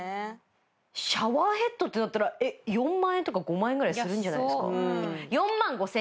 シャワーヘッドってなったら４万円とか５万円ぐらいするんじゃないですか？